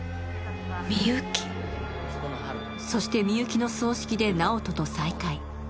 そして美雪の葬式で直人と再会。